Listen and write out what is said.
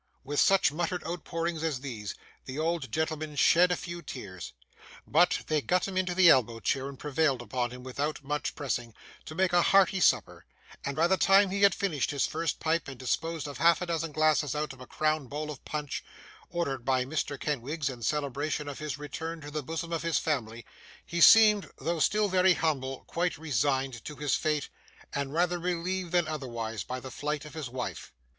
With such muttered outpourings as these, the old gentleman shed a few tears; but, they got him into the elbow chair, and prevailed upon him, without much pressing, to make a hearty supper, and by the time he had finished his first pipe, and disposed of half a dozen glasses out of a crown bowl of punch, ordered by Mr. Kenwigs, in celebration of his return to the bosom of his family, he seemed, though still very humble, quite resigned to his fate, and rather relieved than otherwise by the flight of his wife.